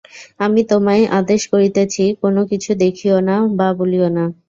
আমি তোমায় আদেশ করিতেছি, কোন কিছু দেখিও না বা বলিও না।